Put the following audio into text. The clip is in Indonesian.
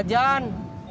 aku buat jajan